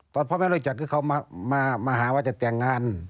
ตอนพ่อแม่รู้จักคือเขามาหาว่าจะแต่งงาน